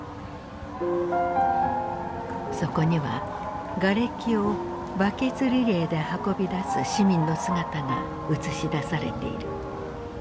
そこにはがれきをバケツリレーで運び出す市民の姿が映し出されている。